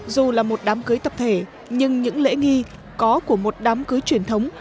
dù là một đám cưới tập thể nhưng những lễ nghi có của một đám cưới truyền thống